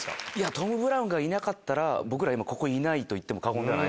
トム・ブラウンがいなかったら僕らいないと言っても過言ではない。